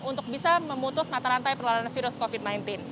untuk bisa memutus mata rantai penularan virus covid sembilan belas